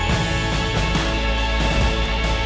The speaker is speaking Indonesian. jika memangnya ada tujuan lebih es hel